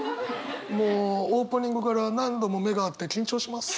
もうオープニングから何度も目が合って緊張します。